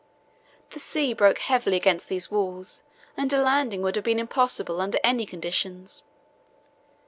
The sea broke heavily against these walls and a landing would have been impossible under any conditions.